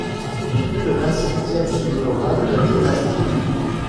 Il fut le vingt-septième souverain de la dynastie Zhou.